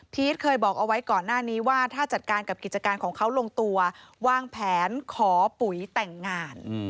เคยบอกเอาไว้ก่อนหน้านี้ว่าถ้าจัดการกับกิจการของเขาลงตัววางแผนขอปุ๋ยแต่งงาน